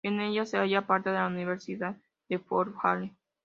En ella se halla parte de la Universidad de Fort Hare.